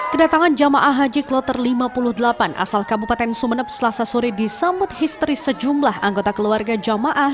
kedatangan jamaah haji kloter lima puluh delapan asal kabupaten sumeneb selasa sore disambut histeris sejumlah anggota keluarga jamaah